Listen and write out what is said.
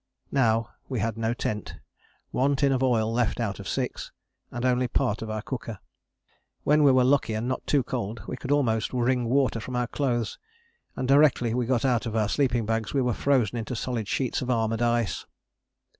Now we had no tent, one tin of oil left out of six, and only part of our cooker. When we were lucky and not too cold we could almost wring water from our clothes, and directly we got out of our sleeping bags we were frozen into solid sheets of armoured ice.